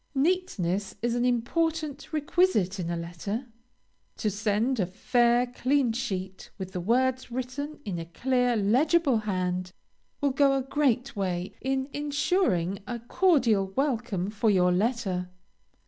Neatness is an important requisite in a letter. To send a fair, clean sheet, with the words written in a clear, legible hand, will go a great way in ensuring a cordial welcome for your letter.